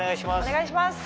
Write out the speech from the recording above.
お願いします